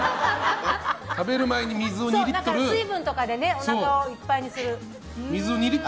水分とかでおなかをいっぱいにする。